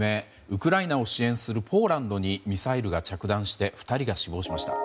ウクライナを支援するポーランドにミサイルが着弾して２人が死亡しました。